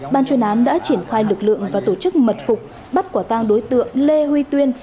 ban chuyên án đã triển khai lực lượng và tổ chức mật phục bắt quả tang đối tượng lê huy tuyên